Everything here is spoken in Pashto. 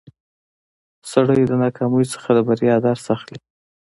سړی د ناکامۍ څخه د بریا درس اخلي